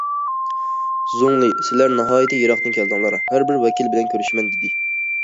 زۇڭلى:« سىلەر ناھايىتى يىراقتىن كەلدىڭلار، ھەربىر ۋەكىل بىلەن كۆرۈشىمەن»، دېدى.